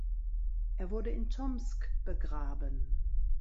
Er wurde in Tomsk begraben.